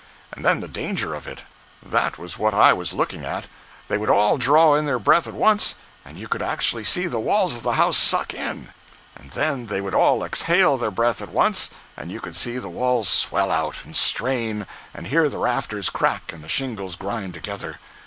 And then the danger of it! That was what I was looking at. They would all draw in their breath at once, and you could actually see the walls of the house suck in—and then they would all exhale their breath at once, and you could see the walls swell out, and strain, and hear the rafters crack, and the shingles grind together.